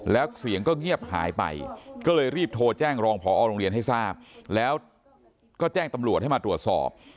แล้วเสียงก็เงียบหายไปก็เลยรีบโทรแจ้งรองพอโรงเรียนให้ทราบแล้วก็แจ้งตำรวจให้มาตรวจสอบ